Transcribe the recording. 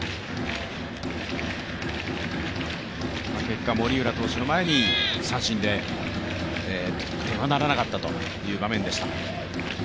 結果、森浦投手の前に三振で得点はならなかったという場面でした。